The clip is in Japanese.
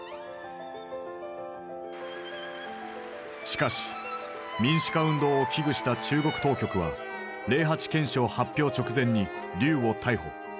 しかし民主化運動を危惧した中国当局は「零八憲章」発表直前に劉を逮捕。